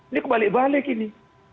ini kebalik balik ini